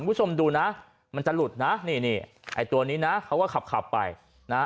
คุณผู้ชมดูนะมันจะหลุดนะนี่นี่ไอ้ตัวนี้นะเขาก็ขับขับไปนะฮะ